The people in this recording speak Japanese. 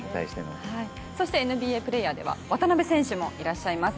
ＮＢＡプレーヤーでは渡邊選手もいらっしゃいます。